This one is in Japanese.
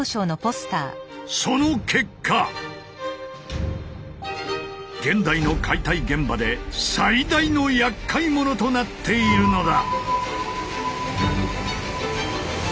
その結果現代の解体現場で最大のやっかい者となっているのだ！